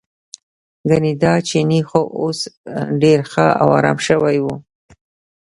ګنې دا چینی خو اوس ډېر ښه او ارام شوی و.